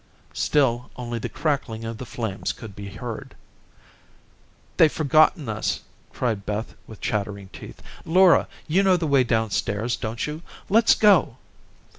Still only the crackling of the flames could be heard. "They've forgotten us," cried Beth with chattering teeth. "Laura, you know the way down stairs, don't you? Let's go."